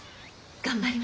頑張ります。